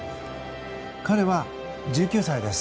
彼は、１９歳です。